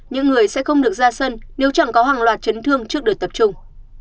những người sẽ không được ra sân nếu chẳng có hàng loạt chấn thương trước đợt tập trung